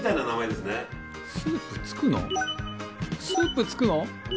スープつくの。